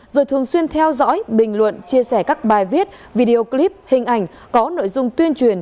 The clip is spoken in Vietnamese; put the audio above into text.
rồi thường xuyên theo dõi bình luận chia sẻ các bài viết video clip hình ảnh có nội dung tuyên truyền